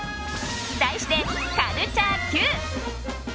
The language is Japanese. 題して、カルチャーＱ！